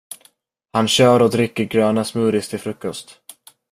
Han kör och dricker gröna smoothies till frukost.